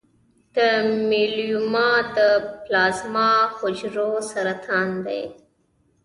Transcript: د میلوما د پلازما حجرو سرطان دی.